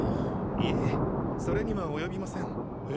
いえそれには及びません。